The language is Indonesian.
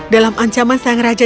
dalam ancaman sang raja